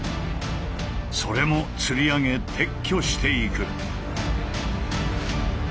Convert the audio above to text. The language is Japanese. それもつり上げ撤去していく。